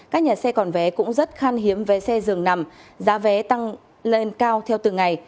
các nhà xe còn vé cũng rất khan hiếm vé xe dường nằm giá vé tăng lên cao theo từng ngày